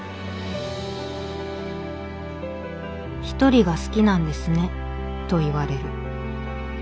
「『一人が好きなんですね』と言われる。